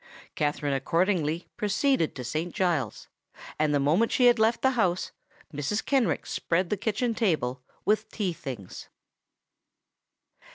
Katherine accordingly proceeded to Saint Giles's; and the moment she had left the house Mrs. Kenrick spread the kitchen table with the tea things.